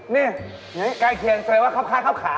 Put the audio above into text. นี่ใกล้เคียงเซยว่าครับคล้ายครับขา